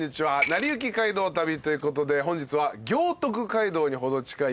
『なりゆき街道旅』ということで本日は。